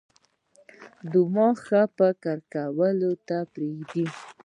دماغ ښه فکر کولو ته پریږدي.